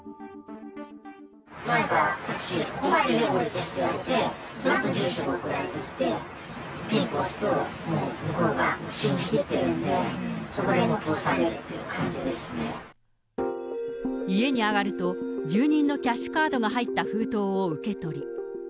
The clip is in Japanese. タクシーで、ここまでで降りてって言われて、そのあと住所が送られてきて、ピンポン押すともう向こうが信じきってるんで、そこで通されるっ家に上がると、住人のキャッシュカードが入った封筒を受け取り。